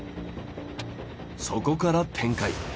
そこから展開。